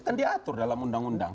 kan diatur dalam undang undang